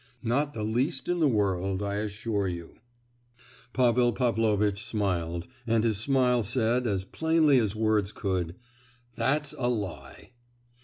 "Not the least in the world, I assure you!" Pavel Pavlovitch smiled; and his smile said, as plainly as words could, "That's a lie!"